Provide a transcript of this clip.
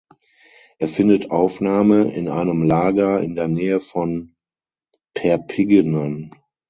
Er findet Aufnahme in einem Lager in der Nähe von Perpignan.